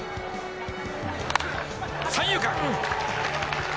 三遊間。